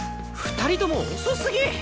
２人とも遅すぎ！